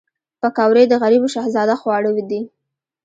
پکورې د غریبو شهزاده خواړه دي